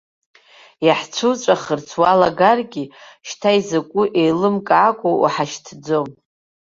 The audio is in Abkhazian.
Иаҳцәыуҵәахырц уалагаргьы, шьҭа изакәу еилымкаакәа уҳашьҭӡом.